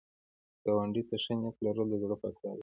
ګاونډي ته ښه نیت لرل، د زړه پاکوالی ښيي